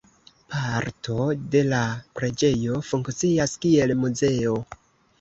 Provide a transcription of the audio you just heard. Parto de la preĝejo funkcias kiel muzeo.